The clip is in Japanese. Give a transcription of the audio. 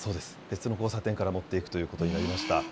別の交差点から持っていくということになりました。